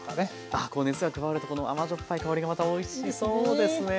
あこう熱が加わるとこの甘じょっぱい香りがまたおいしそうですね。